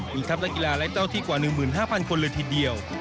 มีทัพนักกีฬาไร้เจ้าที่กว่า๑๕๐๐คนเลยทีเดียว